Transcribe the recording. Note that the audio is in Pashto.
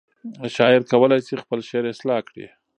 شاعر کولی شي خپل شعر اصلاح کړي.